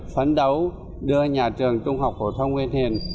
phấn đấu đưa nhà trường trung học phổ thông nguyễn thiền